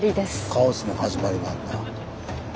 カオスの始まりなんだ。